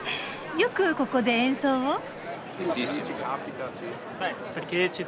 よくここで演奏を？